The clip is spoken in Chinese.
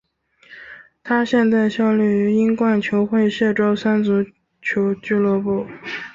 他现在效力于英冠球会谢周三足球俱乐部。